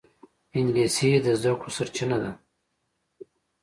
انګلیسي د زده کړو سرچینه ده